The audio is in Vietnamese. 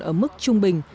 ở mức trung bình